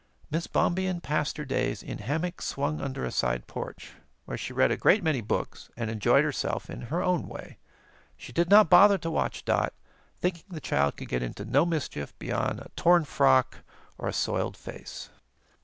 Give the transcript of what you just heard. Miss Bombien passed her days in hammock swung under a side porch, where she read a great many books and enjoyed herself in her own way. She did not bother to watch Dot, thinking the child could get into no mischief beyond a torn frock or a soiled lace.